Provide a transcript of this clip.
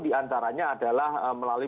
diantaranya adalah melalui